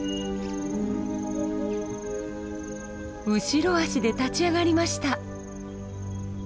後ろ足で立ち上がりました。